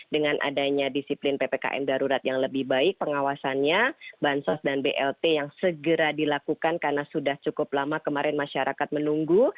dengan adanya disiplin ppkm darurat yang lebih baik pengawasannya bansos dan blt yang segera dilakukan karena sudah cukup lama kemarin masyarakat menunggu